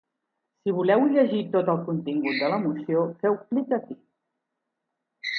Si voleu llegir tot el contingut de la moció, feu clic aquí.